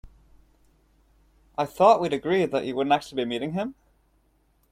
I thought we'd agreed that you wouldn't actually be meeting him?